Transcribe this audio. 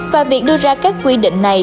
và việc đưa ra các quy định này